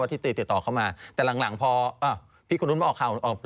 ว่าทิศติดต่อเข้ามาแต่หลังพอพี่คุณรู้สึกว่าออกข้าว